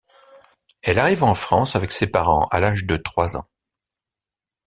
Elle arrive en France avec ses parents à l'âge de trois ans.